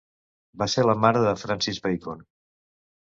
Va ser la mare de Francis Bacon.